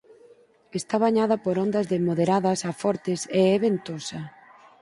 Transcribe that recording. Está bañada por ondas de moderadas a fortes e é ventosa.